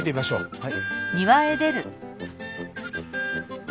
はい。